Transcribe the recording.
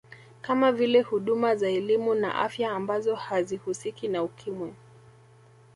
Kama vile huduma za elimu na afya ambazo hazihusiki na Ukimwi